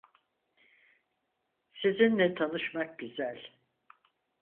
Sizinle tanışmak güzel.